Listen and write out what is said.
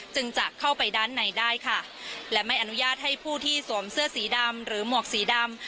จึงจะเข้าไปด้านในได้ค่ะและไม่อนุญาตให้ผู้ที่สวมเสื้อสีดำหรือหมวกสีดำ